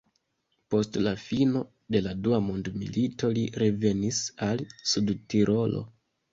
Post la fino de la dua mondmilito li revenis al Sudtirolo.